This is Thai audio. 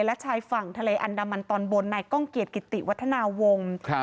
และชายฝั่งทะเลอันดามันตอนบนนายก้องเกียจกิติวัฒนาวงศ์